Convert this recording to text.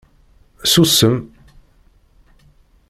Susem.